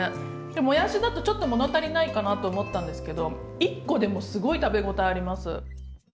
もやしだとちょっと物足りないかなと思ったんですけど１個でもすごい食べ応えあります。